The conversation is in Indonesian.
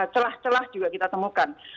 celah celah juga kita temukan